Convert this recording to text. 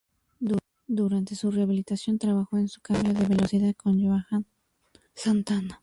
Durante su rehabilitación trabajó en su cambio de velocidad con Johan Santana.